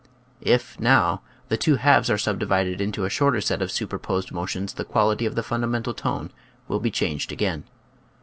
If, now, the two halves are subdivided into a shorter set of superposed motions the quality of the fundamental tone will be changed again.